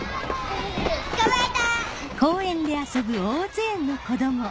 捕まえた！